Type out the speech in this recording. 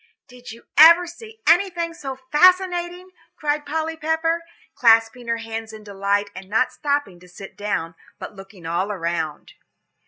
"Did you ever see anything so fascinating?" cried Polly Pepper, clasping her hands in delight, and not stopping to sit down, but looking all around.